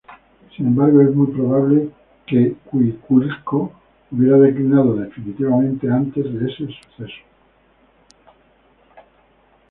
Sin embargo, es muy probable que Cuicuilco hubiera declinado definitivamente antes de ese suceso.